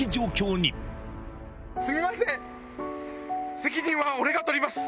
責任は俺が取ります。